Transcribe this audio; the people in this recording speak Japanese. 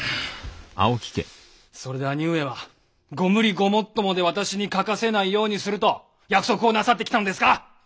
それで兄上はご無理ごもっともで私に書かせないようにすると約束をなさってきたのですか！？